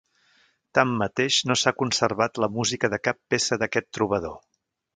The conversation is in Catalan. Tanmateix no s'ha conservat la música de cap peça d'aquest trobador.